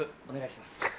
お願いします。